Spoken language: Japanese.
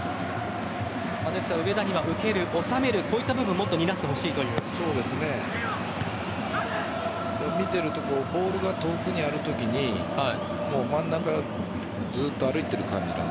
上田には受ける、収める、こういった部分見てるとボールが遠くにあるときに真ん中、ずっと歩いている感じ。